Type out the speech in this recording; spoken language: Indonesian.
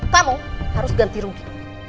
kamu harus ganti rugi